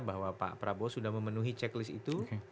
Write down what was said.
bahwa pak prabowo sudah memenuhi checklist itu